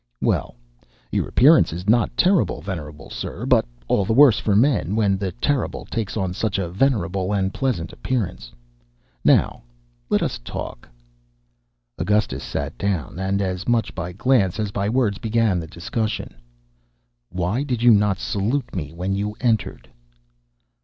"Well, your appearance is not terrible, venerable sir. But all the worse for men, when the terrible takes on such a venerable and pleasant appearance. Now let us talk." Augustus sat down, and as much by glance as by words began the discussion. "Why did you not salute me when you entered?"